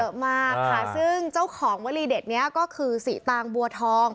เยอะมากค่ะซึ่งเจ้าของวลีเด็ดนี้ก็คือสีตางบัวทอง